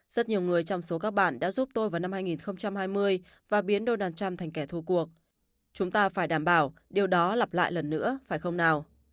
rất nhiều người trong số các bạn đã dùng cách này